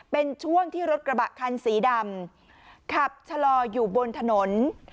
เป็นช่วงที่รถกระบะคันสีดำขับชะลออยู่บนถนน